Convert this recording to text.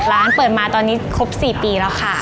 ร้านเปิดมาตอนนี้ครบ๔ปีแล้วค่ะ